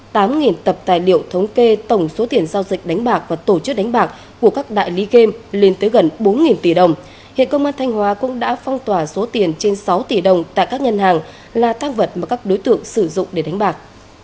tám tập tài liệu thống kê tổng số tiền giao dịch đánh bạc và tổ chức đánh bạc của các đại lý game lên tới gần bốn tỷ đồng hiện công an thanh hóa cũng đã phong tỏa số tiền trên sáu tỷ đồng tại các ngân hàng là tăng vật mà các đối tượng sử dụng để đánh bạc